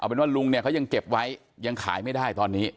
เป็นว่าลุงเนี่ยเขายังเก็บไว้ยังขายไม่ได้ตอนนี้